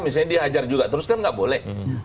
misalnya dia hajar juga terus kan nggak boleh